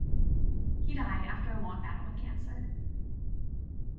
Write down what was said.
He died after a long battle with cancer.